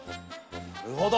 なるほど！